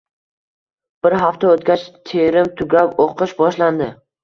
Bir hafta oʻtgach terim tugab, oʻqish boshlandi.